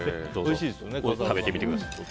食べてみてください。